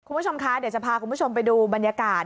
คุณผู้ชมคะเดี๋ยวจะพาคุณผู้ชมไปดูบรรยากาศ